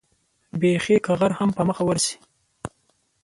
بېخي که غر هم په مخه ورشي.